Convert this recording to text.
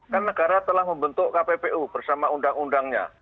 kan negara telah membentuk kppu bersama undang undangnya